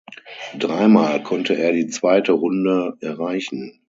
Dreimal konnte er die zweite Runde erreichen.